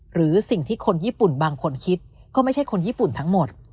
หรือสิ่งที่คนญี่ปุ่นบางคนคิดก็ไม่ใช่คนญี่ปุ่นทั้งหมด